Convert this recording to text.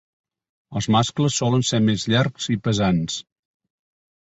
Els mascles solen ser més llargs i pesants.